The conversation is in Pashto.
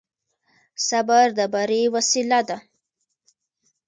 صبر د بري وسيله ده.